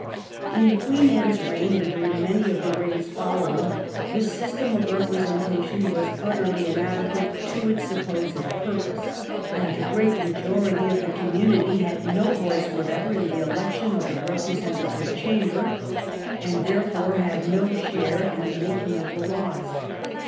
In Queen Anne's reign, and during many of the reigns following, the system of representation was utterly inadequate to its supposed purpose, and 390 THE REIGN OF QUEEN ANNE. ch. xl. the great majority of the community had no voice whatever in the election of the representative chamber, and therefore had no share in the making of the laws.